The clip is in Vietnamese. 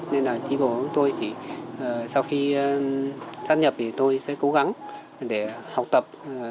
nên là trí bộ tôi chỉ sau khi sát nhập thì tôi sẽ cố gắng để học tập